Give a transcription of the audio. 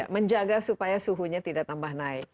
menjaga supaya suhunya tidak tambah naik